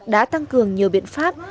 đã tăng cường nhiều biện pháp